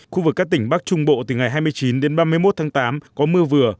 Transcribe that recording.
khu vực các tỉnh bắc trung bộ từ ngày hai mươi chín đến ba mươi một tháng tám có mưa vừa